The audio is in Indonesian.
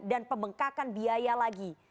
dan pembengkakan biaya lagi